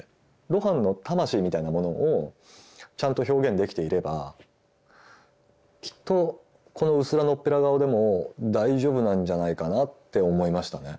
露伴の「魂」みたいなものをちゃんと表現できていればきっとこのうすらのっぺら顔でも大丈夫なんじゃないかなって思いましたね。